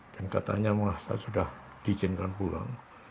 dan katanya saya sudah diizinkan pulang